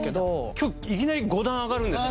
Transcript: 今日いきなり５段上がるんですか？